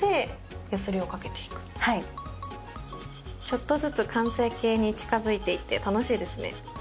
ちょっとずつ完成形に近づいていって楽しいですね。